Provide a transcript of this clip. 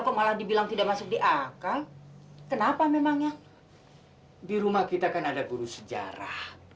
kok malah dibilang tidak masuk di akal kenapa memang ya di rumah kita kan ada guru sejarah